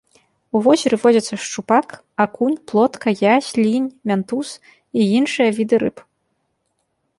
У возеры водзяцца шчупак, акунь, плотка, язь, лінь, мянтуз і іншыя віды рыб.